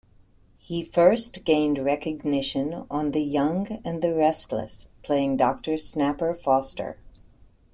He first gained recognition on "The Young and The Restless", playing Doctor Snapper Foster.